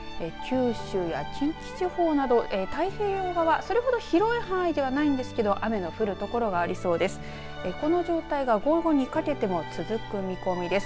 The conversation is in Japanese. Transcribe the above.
九州や近畿地方など太平洋側、それほど広い範囲ではないんですが雨の降る所がありそうです。